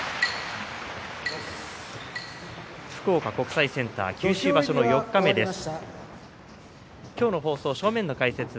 福岡国際センター九州場所の四日目です。